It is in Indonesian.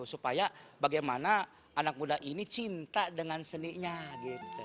supaya bagaimana anak muda ini cinta dengan seninya gitu